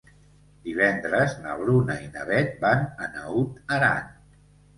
Divendres na Bruna i na Beth van a Naut Aran.